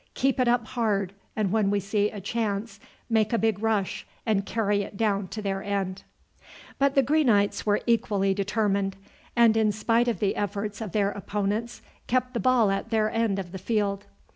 Keep it up hard, and when we see a chance make a big rush and carry it down to their end." But the Greenites were equally determined, and in spite of the efforts of their opponents, kept the ball at their end of the field.